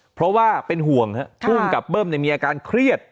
เพราะว่าเป็นห่วงภูมิกับเบิ้มมีอาการเครียด